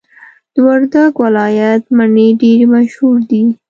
د وردګو ولایت مڼي ډیري مشهور دي.